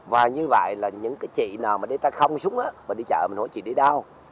và như vậy là những cái chị nào mà đi ta không xuống á mà đi chợ mình hỏi chị đi đâu